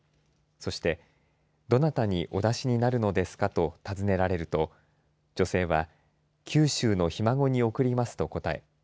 そして、どなたにお出しになるのですかと尋ねられると女性は、九州のひ孫に送りますと答え